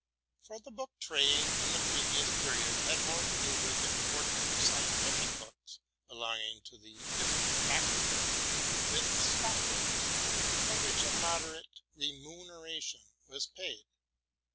For the book trade, in the previous pe riod, had more to do with important scientific books, belong ing to the different faculties — with stock works, for which a moderate remuneration was paid.